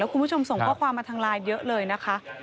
คุณผู้ชมส่งข้อความมาทางไลน์เยอะเลยนะคะ